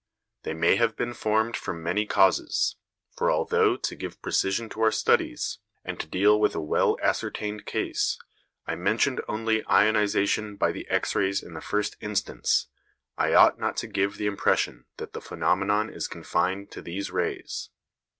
They may have been formed from many causes, for although to give precision to our studies, and to deal with a well ascertained case, I mentioned only ionisation by the X rays in the first instance, I ought not to give the impression that the phenomenon is confined to these rays.